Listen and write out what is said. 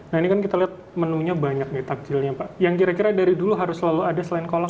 nah ini kan kita lihat menunya banyak nih takjilnya pak yang kira kira dari dulu harus selalu ada selain kolom